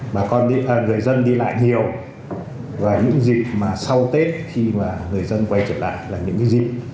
mà còn người dân đi lại nhiều và những dịp mà sau tết khi mà người dân quay trở lại là những dịp